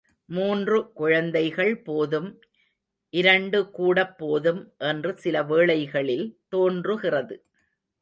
மூன்று குழந்தைகள் போதும், இரண்டுகூடப் போதும் என்று சில வேளைகளில் தோன்றுகிறது.